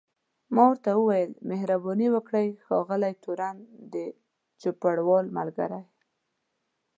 ما ورته وویل مهرباني وکړئ ښاغلی تورن، د چوپړوال ملګری.